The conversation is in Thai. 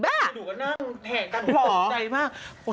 หนูก็นั่งแห่งกัน